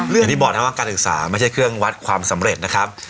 อย่างที่บอกนะว่าการศึกษาไม่ใช่เครื่องวัดความสำเร็จนะครับ